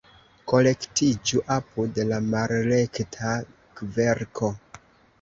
Kolektiĝu apud la malrekta kverko!